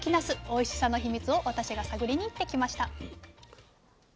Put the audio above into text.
おいしさの秘密を私が探りに行ってきました。